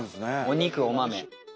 お肉お豆。